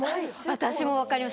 私も分かります